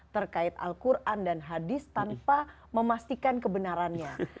terkait al quran dan hadis tanpa memastikan kebenarannya